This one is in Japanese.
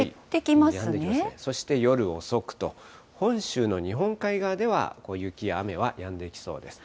そして夜遅くと、本州の日本海側では雪や雨はやんでいきそうです。